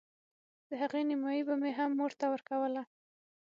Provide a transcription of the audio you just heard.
د هغې نيمايي به مې هم مور ته ورکوله.